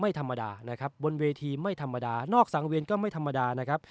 ไม่ธรรมดานะครับบนเวทีไม่ธรรมดานอกสังเวียนก็ไม่ธรรมดานะครับ